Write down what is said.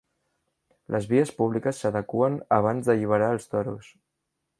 Les vies públiques s'adeqüen abans d'alliberar els toros.